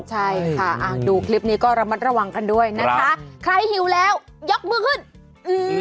ใช่ค่ะอ่าดูคลิปนี้ก็ระมัดระวังกันด้วยนะคะใครหิวแล้วยกมือขึ้นอืม